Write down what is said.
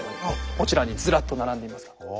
こちらにずらっと並んでいますけど。